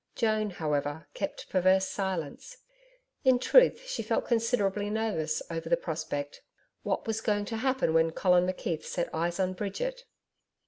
Joan, however, kept perverse silence. In truth, she felt considerably nervous over the prospect. What was going to happen when Colin McKeith set eyes on Bridget?